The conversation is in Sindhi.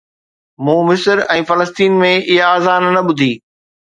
مون مصر ۽ فلسطين ۾ اها اذان نه ٻڌي